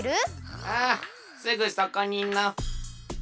ああすぐそこにの。